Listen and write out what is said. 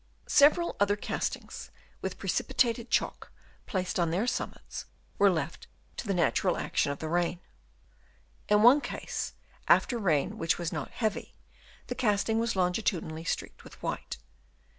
Several other castings with precipitated chalk placed on their summits were left to the natural action of the rain. In one case, after rain which was not heavy, the casting was longitudinally streaked with white.